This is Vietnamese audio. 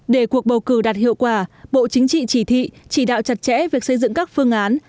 để cuộc bầu cử đạt hiệu quả bộ chính trị chỉ thị chỉ đạo chặt chẽ việc xây dựng các phương án